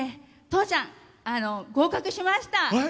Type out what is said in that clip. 父ちゃん合格しました！